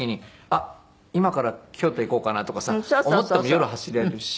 あっ今から京都行こうかなとかさ思っても夜走れるし。